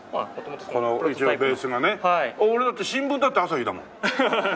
俺だって新聞だって朝日だもん。